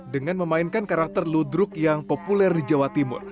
dengan memainkan karakter ludruk yang populer di jawa timur